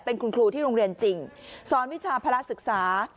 เป็นคุณครูที่โรงเรียนจริงสอนวิชาภาระศึกษา